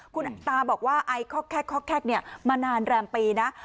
คุณตาบอกว่าไอคอกมานานแรมปีนะ